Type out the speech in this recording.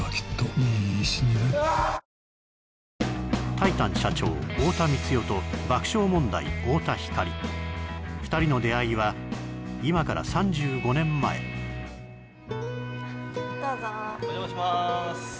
タイタン社長・太田光代と爆笑問題・太田光２人の出会いは今から３５年前どうぞお邪魔します